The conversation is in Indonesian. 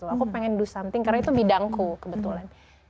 aku pengen do something karena itu bidangku kebetulan